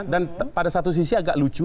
dan pada satu sisi agak lucu